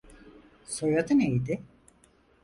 Soyadı neydi?